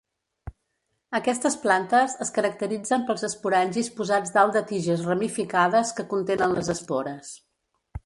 Aquestes plantes es caracteritzen pels esporangis posats dalt de tiges ramificades que contenen les espores.